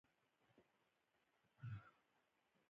غوږونه له چغو تنګېږي